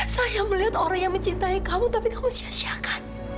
saya melihat orang yang mencintai kamu tapi kamu sia siakan